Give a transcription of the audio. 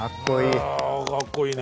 わかっこいいね。